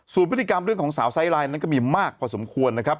ส่วนพฤติกรรมเรื่องของสาวไซส์ไลน์นั้นก็มีมากพอสมควรนะครับ